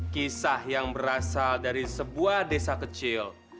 kisah yang berasal dari sebuah desa kecil